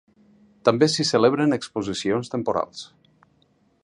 També s'hi celebren exposicions temporals.